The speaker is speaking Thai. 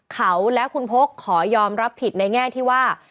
เขาและคุณพกขอยอมรับผิดในแง่ที่ว่า